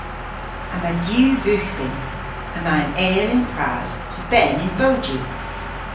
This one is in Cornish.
Yma diw vugh dhyn. Yma an eyl y'n pras, hy ben y'n bowji.